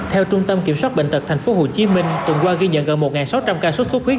theo trung tâm kiểm soát bệnh tật thành phố hồ chí minh tuần qua ghi nhận gần một sáu trăm linh ca sốt xuất huyết